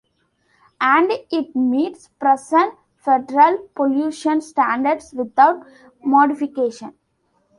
And it meets present federal pollution standards without modification.